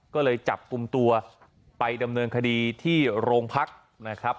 ก็เลยจับกลุ่มตัวไปดำเนินคดีที่โรงพักนะครับ